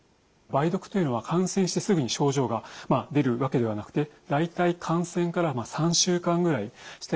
梅毒というのは感染してすぐに症状が出るわけではなくて大体感染から３週間ぐらいしてから症状が出てくる。